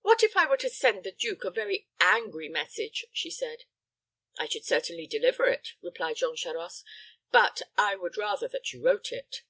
"What if I were to send the duke a very angry message?" she said. "I should certainly deliver it," replied Jean Charost. "But I would rather that you wrote it."